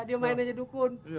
dia main aja dukun